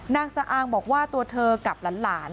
นางสะอางบอกว่าตัวเธอกับหลาน